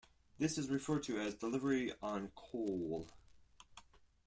This is referred to as "delivery en caul".